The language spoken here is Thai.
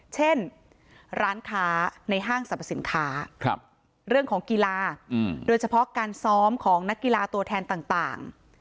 เช่นร้านค้าในห้างสรรพสินค้าเรื่องของกีฬาโดยเฉพาะการซ้อมของนักกีฬาตัวแทนต่าง